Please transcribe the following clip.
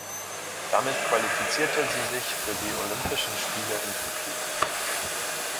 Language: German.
Damit qualifizierte sie sich für die Olympischen Spiele in Tokio.